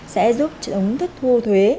sẽ giúp chứng thức thu thuế